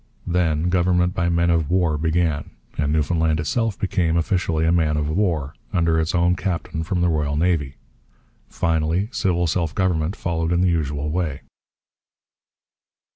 Then government by men of war began, and Newfoundland itself became, officially, a man of war, under its own captain from the Royal Navy. Finally, civil self government followed in the usual way.